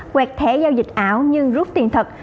quẹt thẻ giao dịch ảo nhưng rút tiền thật